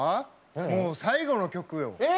もう最後の曲よ！